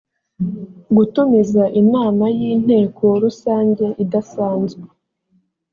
gutumiza inama y inteko rusange idasanzwe